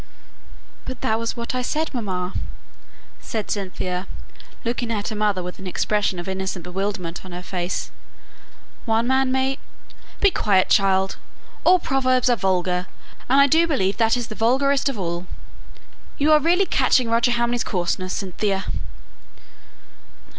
"But that was what I said, mamma," said Cynthia, looking at her mother with an expression of innocent bewilderment on her face. "One man may " "Be quiet, child! All proverbs are vulgar, and I do believe that is the vulgarest of all. You are really catching Roger Hamley's coarseness, Cynthia!"